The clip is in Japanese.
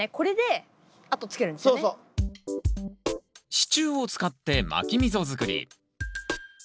支柱を使ってまき溝作り。